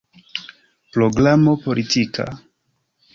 Programo politika?